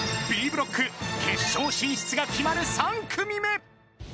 ［Ｂブロック決勝進出が決まる３組目］